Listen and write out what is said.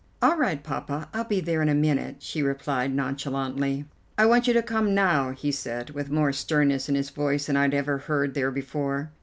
"All right, Poppa, I'll be there in a minute," she replied nonchalantly. "I want you to come now," he said, with more sternness in his voice than I had ever heard there before.